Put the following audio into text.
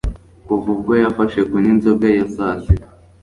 Kuva ubwo yafashe kunywa inzoga ya sasita.